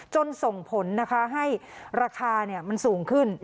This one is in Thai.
จนส่งผลให้ราคามันสูงขึ้น